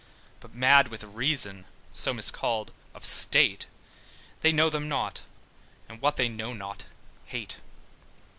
But mad with reason (so miscalled) of state They know them not, and what they know not, hate.